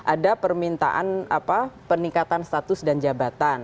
ada permintaan peningkatan status dan jabatan